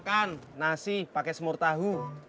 pok saya makan nasi pake semur tahu